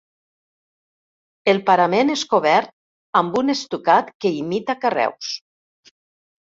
El parament és cobert amb un estucat que imita carreus.